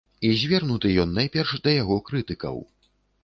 І звернуты ён найперш да яго крытыкаў.